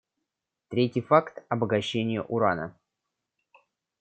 Третий факт — обогащение урана.